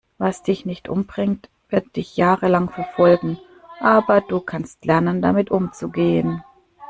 Was dich nicht umbringt, wird dich jahrelang verfolgen, aber du kannst lernen, damit umzugehen.